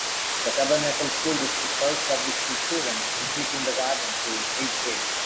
The Tabernacle School District serves public school students in pre-kindergarten through eighth grade.